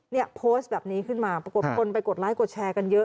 เนี่ยโพสต์แบบนี้ขึ้นมาปรากฏคนไปกดไลค์กดแชร์กันเยอะ